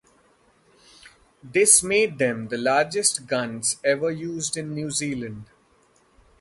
This made them the largest guns ever used in New Zealand.